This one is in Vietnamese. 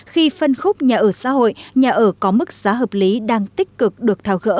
khi phân khúc nhà ở xã hội nhà ở có mức giá hợp lý đang tích cực được thao gỡ